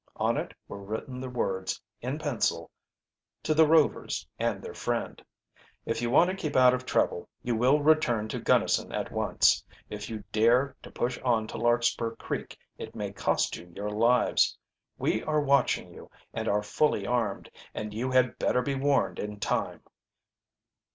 On it were written the words, in pencil: "To the Rovers and their friend: "If you want to keep out of trouble you will return to Gunnison at once. If you dare to push on to Larkspur Creek it may cost you your lives. We are watching you, and are fully armed, and you had better be warned in time.